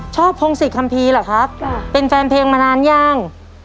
พงศิษยคัมภีร์เหรอครับเป็นแฟนเพลงมานานยัง